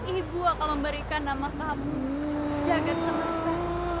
ibu akan memberikan nama kamu jagad semesta